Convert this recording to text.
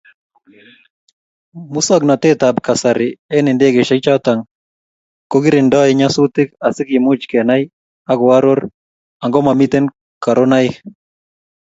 Musoknatetab kasari eng indegeisyechotok kokiringdoi nyasutiik asi kemuch kenai ak koaror angomitei karonaik.